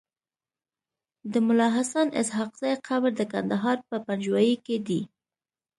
د ملاحسناسحاقزی قبر دکندهار په پنجوايي کیدی